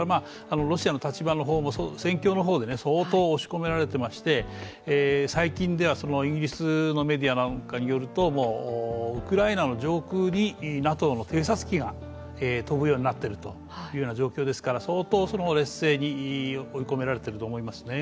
ロシアの立場の方も、戦況の方で相当押し込められていまして最近ではイギリスのメディアなんかによるとウクライナの上空にＮＡＴＯの偵察機が飛ぶようになってるような状況ですから相当劣性に追い込められていると思いますね。